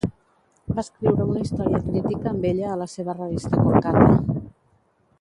Va escriure una història crítica amb ella a la seva revista Kolkata.